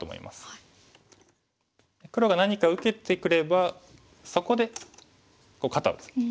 黒が何か受けてくればそこで肩をツク。